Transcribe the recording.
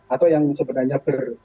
atau yang sebenarnya ber